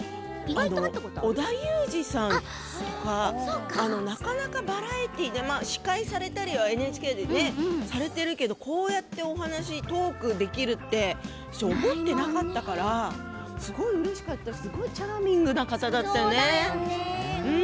織田裕二さんとかなかなかバラエティーで司会されたりはＮＨＫでされてるけどこうやってトークできるって思ってなかったからすごいうれしかったしすごくチャーミングな方だったね。